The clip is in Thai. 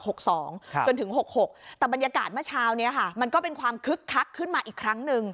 จนถึง๖๖แต่บรรยากาศเมื่อเช้านี้ค่ะมันก็เป็นความคึกคักขึ้นมาอีกครั้งหนึ่ง